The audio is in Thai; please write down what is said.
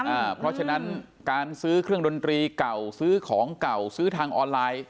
เพราะฉะนั้นการซื้อเครื่องดนตรีเก่าซื้อของเก่าซื้อทางออนไลน์